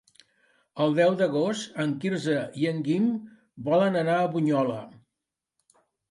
El deu d'agost en Quirze i en Guim volen anar a Bunyola.